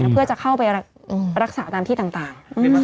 เพื่อจะเข้าไปรักษาตามที่ต่าง